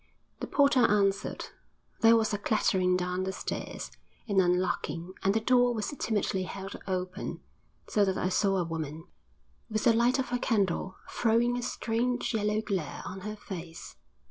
The porter answered; there was a clattering down the stairs, an unlocking, and the door was timidly held open, so that I saw a woman, with the light of her candle throwing a strange yellow glare on her face.